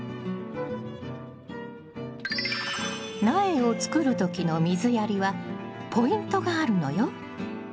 苗を作る時の水やりはポイントがあるのよ。